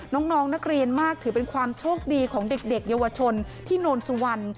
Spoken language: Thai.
น้องนักเรียนมากถือเป็นความโชคดีของเด็กเยาวชนที่โนนสุวรรณ